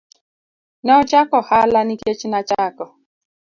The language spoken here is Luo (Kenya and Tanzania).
Ne ochako ohala nikech nachako.